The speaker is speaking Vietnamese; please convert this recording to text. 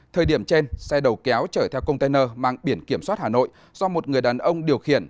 thời điểm trên xe đầu kéo chở theo container mang biển kiểm soát hà nội do một người đàn ông điều khiển